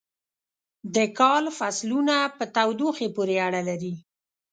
د کال فصلونه په تودوخې پورې اړه لري.